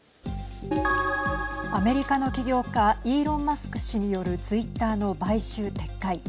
アメリカの起業家イーロン・マスク氏によるツイッターの買収撤回。